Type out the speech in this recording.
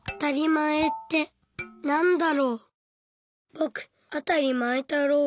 ぼくあたりまえたろう。